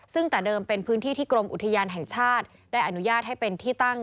ซึ่งแต่เดิมเป็นพื้นที่ที่กรมอุทยานแห่งชาติได้อนุญาตให้เป็นที่ตั้ง